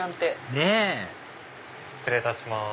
ねぇ失礼いたします。